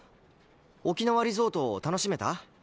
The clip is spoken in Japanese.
沖縄リゾート楽しめた？